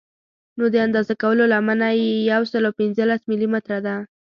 نو د اندازه کولو لمنه یې یو سل او پنځوس ملي متره ده.